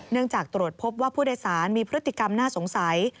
จากตรวจพบว่าผู้โดยสารมีพฤติกรรมน่าสงสัย